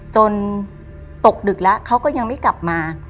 จนตกดึกแล้วเขาก็ยังไม่กลับมา